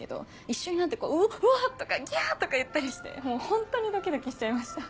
一緒になって「うわ！」とか「ギャ！」とか言ったりしてもうホントにドキドキしちゃいました。